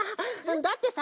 だってさ